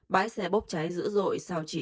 bãi xe bốc cháy dữ dội sao chỉ